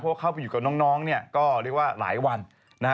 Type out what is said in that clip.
เพราะเข้าไปอยู่กับน้องเนี่ยก็เรียกว่าหลายวันนะฮะ